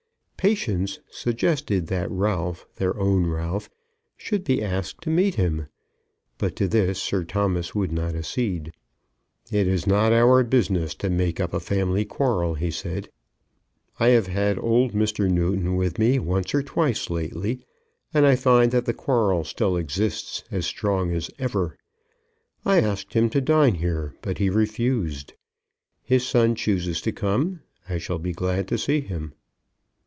Patience suggested that Ralph, their own Ralph, should be asked to meet him; but to this Sir Thomas would not accede. "It is not our business to make up a family quarrel," he said. "I have had old Mr. Newton with me once or twice lately, and I find that the quarrel still exists as strong as ever. I asked him to dine here, but he refused. His son chooses to come. I shall be glad to see him."